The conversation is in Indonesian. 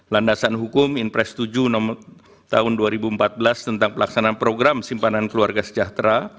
landasan hukum impres tujuh tahun dua ribu empat belas tentang pelaksanaan program simpanan keluarga sejahtera